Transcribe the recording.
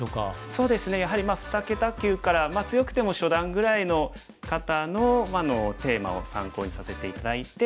そうですねやはり二桁級から強くても初段ぐらいの方のテーマを参考にさせて頂いて。